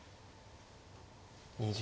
２０秒。